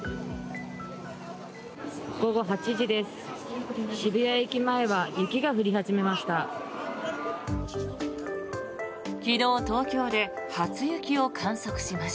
午後８時です。